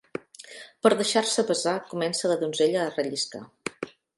Per deixar-se besar comença la donzella a relliscar.